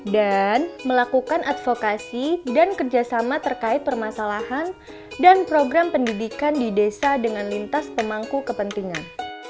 dan melakukan advokasi dan kerjasama terkait permasalahan dan program pendidikan di desa dengan lintas pemangku kepentingan